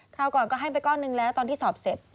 ราวก่อนก็ให้ไปก้อนหนึ่งแล้วตอนที่สอบเสร็จ